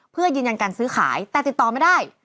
เพื่อยืนยันการซื้อขายแต่ติดต่อไม่ได้